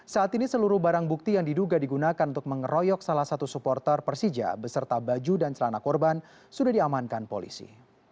saat ini seluruh barang bukti yang diduga digunakan untuk mengeroyok salah satu supporter persija beserta baju dan celana korban sudah diamankan polisi